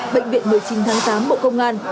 bệnh viện một mươi chín tháng tám bộ công an